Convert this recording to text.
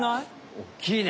おっきいね。